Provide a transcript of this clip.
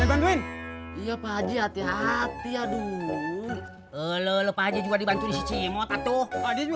diantuin iya pak haji hati hati aduh lho lho pak haji juga dibantu si cimot atau